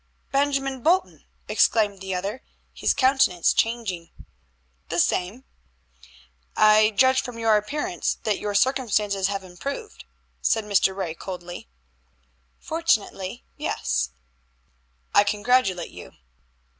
"Benjamin Bolton!" exclaimed the other, his countenance changing. "The same." "I judge from your appearance that your circumstances have improved," said Mr. Ray coldly. "Fortunately, yes." "I congratulate you."